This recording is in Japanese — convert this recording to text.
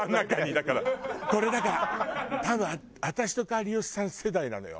だからこれだから多分私とか有吉さん世代なのよ。